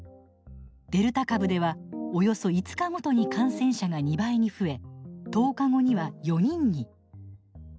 デルタ株ではおよそ５日ごとに感染者が２倍に増え１０日後には４人に。